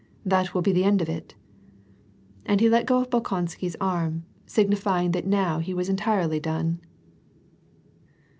That will be the end of it." And he let go of Bolkonsky's arm, signifying that now he was entirely done.